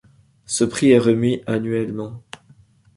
Ce prix est remis annuellement.